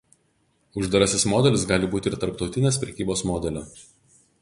Uždarasis modelis gali būti ir tarptautinės prekybos modeliu.